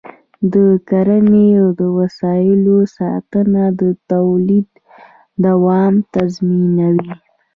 د کرنې د وسایلو ساتنه د تولید دوام تضمینوي.